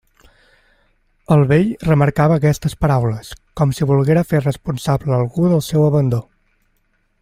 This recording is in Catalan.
El vell remarcava aquestes paraules, com si volguera fer responsable algú del seu abandó.